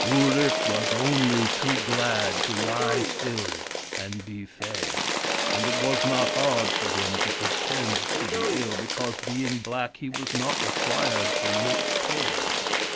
Wiirip was only too glad to lie still and be fed, and it was not hard for him to pretend to be ill, because, being black, he was not required to look pale.